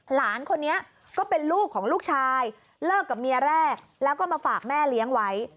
หลานคนนี้ก็เป็นลูกของลูกชายเลิกกับเมียแรกแล้วก็มาฝากแม่เลี้ยงไว้